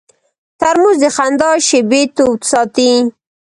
ترموز د خندا شېبې تود ساتي.